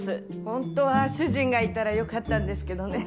本当は主人がいたらよかったんですけどね。